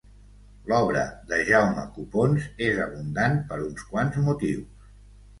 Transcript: L'obra de Jaume Copons és abundant per uns quants motius.